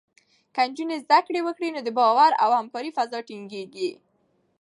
که نجونې زده کړه وکړي، نو د باور او همکارۍ فضا ټینګېږي.